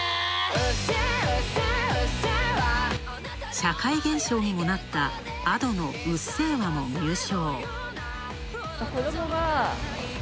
社会現象にもなったＡｄｏの「うっせぇわ」も入賞。